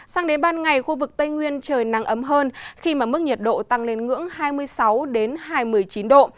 sang đến ban ngày khu vực tây nguyên trời nắng ấm hơn khi mà mức nhiệt độ tăng lên ngưỡng hai mươi sáu hai mươi chín độ